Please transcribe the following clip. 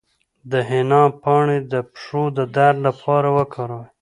د حنا پاڼې د پښو د درد لپاره وکاروئ